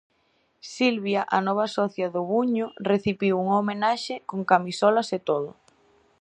Silvia, a nova socia do Buño, recibiu unha homenaxe con camisolas e todo.